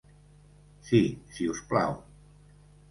Si si us plau!